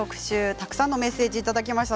たくさんのメッセージをいただきました。